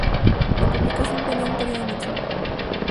La publicación tenía un período mensual.